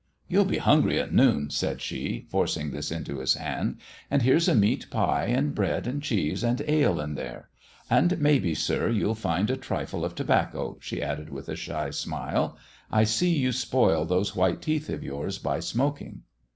" You'll be hungry at noon," said she, forcing this into his hand. " And there's a meat pie and bread and cheese and ale in there. And maybe, sir, you'll find a trifle of tobacco," she added, with a shy smile. " I see you spoil those white teeth of yours by smoking."